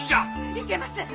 いけません！